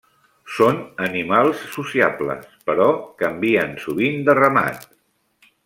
Són animals sociables, però canvien sovint de ramat.